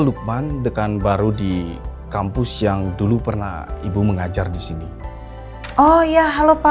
lukman dengan baru di kampus yang dulu pernah ibu mengajar di sini oh ya halo pak